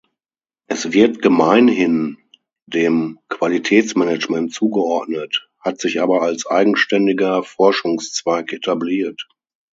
Es wird gemeinhin dem Qualitätsmanagement zugeordnet, hat sich aber als eigenständiger Forschungszweig etabliert.